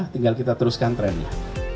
tinggal kita teruskan trendnya